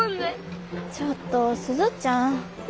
ちょっと鈴ちゃん。